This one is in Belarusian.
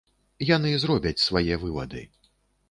Яны зробяць свае вывады.